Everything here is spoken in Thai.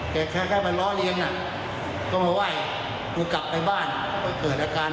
แค่แค่แค่มาล้อเลี้ยงน่ะก็มาไหว้ก็กลับไปบ้านเกิดอาการ